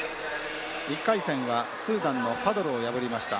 １回戦はスーダンのファドゥルを破りました。